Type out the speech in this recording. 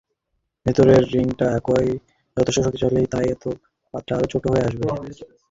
ভেতরের রিংটা একাই যথেষ্ট শক্তিশালী, তাই এতে পাতটা আরও ছোটো হয়ে আসবে।